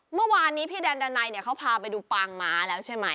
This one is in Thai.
เมื่อวานนี้พี่แดนดันัยเนี่ยเขาพาไปดูปางม้าแล้วใช่ไหม